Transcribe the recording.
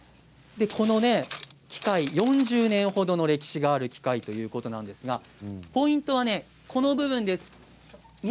この機械４０年ほどの歴史がある機械ということなんですがポイントは、こちらです。